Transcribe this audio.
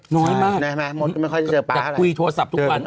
น้อยมากนะมดก็ไม่ค่อยจะเจอป๊าอะไรคุยโทรศัพท์ทุกวัน